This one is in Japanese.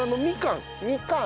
みかん。